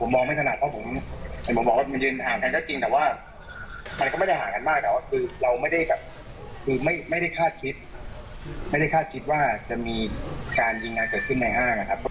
ไม่ได้หากันมากหรอกเราไม่ได้คาดคิดว่าจะมีการยิงงานเกิดขึ้นในห้าง